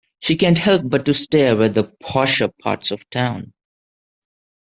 She can't help but to stare at the posher parts of town.